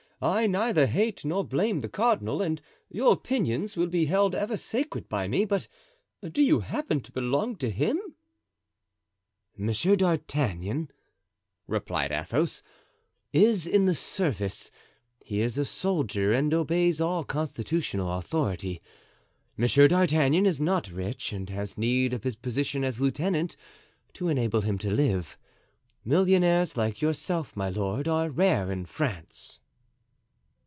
I neither hate nor blame the cardinal, and your opinions will be held ever sacred by me. But do you happen to belong to him?" "Monsieur d'Artagnan," replied Athos, "is in the service; he is a soldier and obeys all constitutional authority. Monsieur d'Artagnan is not rich and has need of his position as lieutenant to enable him to live. Millionaires like yourself, my lord, are rare in France."